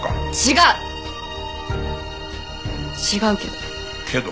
違うけど。